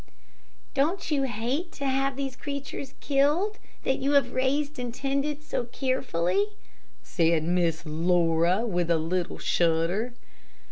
"Don't you hate to have these creatures killed, that you have raised and tended so carefully?" said Miss Laura with a little shudder.